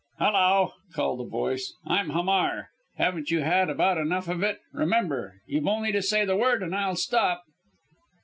"Hulloa," called a voice, "I'm Hamar. Haven't you had about enough of it? Remember, you've only to say the word and I'll stop."